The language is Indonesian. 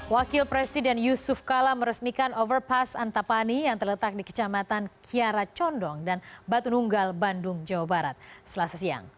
wakil presiden yusuf kala meresmikan overpass antapani yang terletak di kecamatan kiara condong dan batu nunggal bandung jawa barat selasa siang